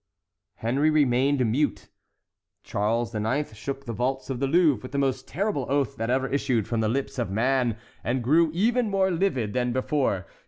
Henry remained mute. Charles IX. shook the vaults of the Louvre with the most terrible oath that ever issued from the lips of man, and grew even more livid than before.